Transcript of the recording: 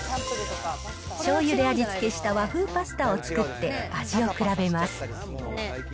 醤油で味付けした和風パスタを使って、味を比べます。